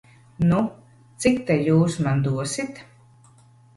Nu, cik ta jūs man dosit?